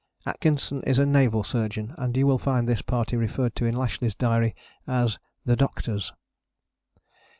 Atkinson is a naval surgeon and you will find this party referred to in Lashly's diary as "the Doctor's."